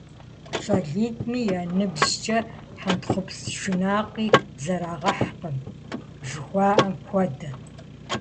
ЩӀалитӀми я ныбжькӀэ хьэнтхъупс шынакъи зэрагъэхькъым жыхуаӀэм хуэдэт.